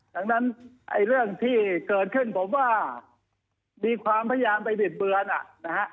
ดังนั้นไอ้เรื่องที่เกิดขึ้นผมว่ามีความพยายามไปบิดเบือนนะฮะ